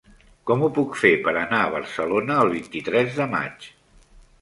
Com ho puc fer per anar a Barcelona el vint-i-tres de maig?